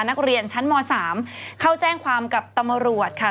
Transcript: นักเรียนชั้นม๓เข้าแจ้งความกับตำรวจค่ะ